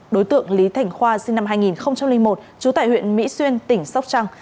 đối tượng lý thành khoa sinh năm hai nghìn một trú tại huyện mỹ xuyên tỉnh sóc trăng